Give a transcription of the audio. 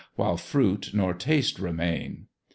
while fruit nor taste remain.